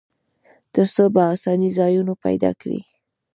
تر څو په آسانۍ ځایونه پیدا کړي.